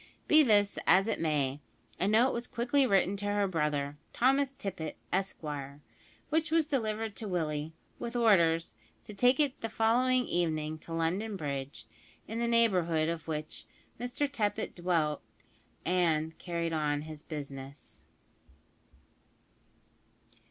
Be this as it may, a note was quickly written to her brother, Thomas Tippet, Esquire, which was delivered to Willie, with orders to take it the following evening to London Bridge, in the neighbourhood of which Mr Tippet dwelt and carried on his business.